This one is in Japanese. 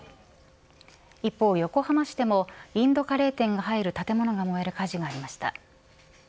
一方、横浜市でもインドカレー店が入る建物が燃える火事がありました。